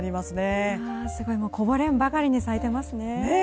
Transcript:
すごい、こぼれんばかりに咲いていますね。